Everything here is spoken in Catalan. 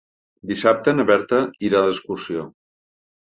Dissabte na Berta irà d'excursió.